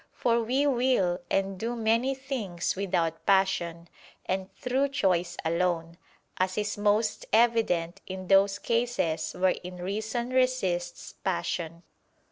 For we will and do many things without passion, and through choice alone; as is most evident in those cases wherein reason resists passion.